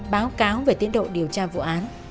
báo cáo về tiến độ điều tra vụ án